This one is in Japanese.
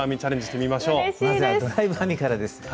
まずはドライブ編みからです。